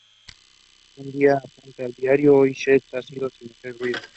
Un día, apunta en su diario: "Hoy Seth se ha ido, sin hacer ruido.